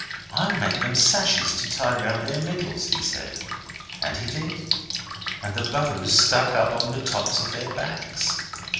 'I'll make them sashes to tie round their little middles,' he said. And he did, and the bows stuck up on the tops of their backs.